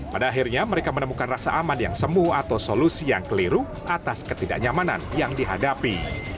pada akhirnya mereka menemukan rasa aman yang semu atau solusi yang keliru atas ketidaknyamanan yang dihadapi